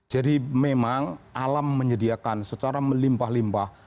jadi memang alam menyediakan secara melimpah limpah